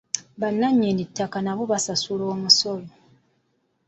Bannannyini ttaka nabo basasula omusolo.